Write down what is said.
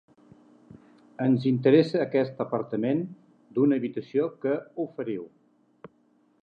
Ens interessa aquest apartament d'una habitació que oferiu.